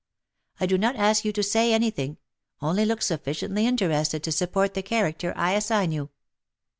I do not ask you to say any thing — only look sufficiently interested to support the character I assign you."